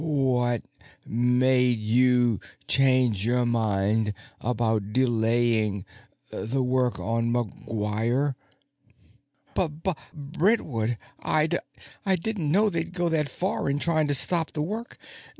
"What made you change your mind about delaying the work on McGuire?" "Buh Buh Brentwood. I duh didn't know they'd go that far in trying to stop the work.